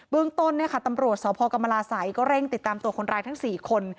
เรื่องต้นตำรวจสพกรรมราศัยก็เร่งติดตามตัวคนร้ายทั้ง๔คน